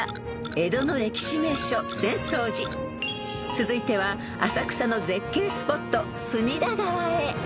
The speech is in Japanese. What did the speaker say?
［続いては浅草の絶景スポット隅田川へ］